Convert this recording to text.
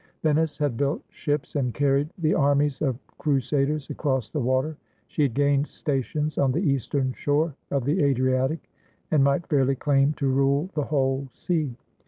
Venice had built ships and carried the armies of crusaders across the water. She had gained stations on the eastern shore of the Adriatic, and might fairly claim to rule the whole sea.